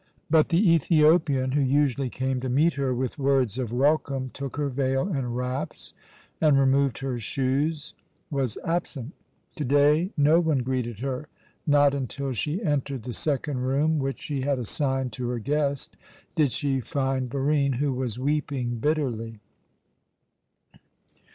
But the Ethiopian, who usually came to meet her with words of welcome, took her veil and wraps, and removed her shoes, was absent. Today no one greeted her. Not until she entered the second room, which she had assigned to her guest, did she find Barine, who was weeping bitterly.